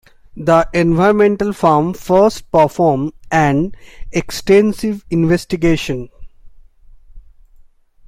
The environmental firm first performs an extensive investigation.